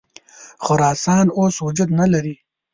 خراسان اوس وجود نه لري.